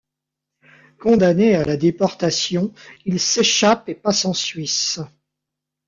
Condamné à la déportation, il s’échappe et passe en Suisse.